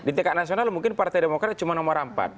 di tk nasional mungkin partai demokrat cuma nomor empat